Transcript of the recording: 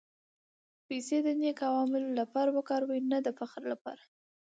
پېسې د نېک عملونو لپاره وکاروه، نه د فخر لپاره.